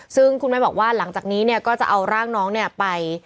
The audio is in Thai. ซึ่งคุณไม่บอกว่าหลังจากนี้เนี่ยก็จะเอาร่างน้องเนี่ยไป